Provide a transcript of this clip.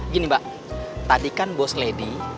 gini mbak tadi kan bos lady